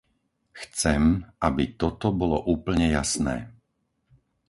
Chcem, aby toto bolo úplne jasné.